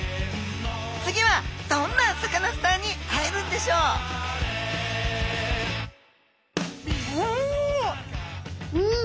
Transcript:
次はどんなサカナスターに会えるんでしょううん！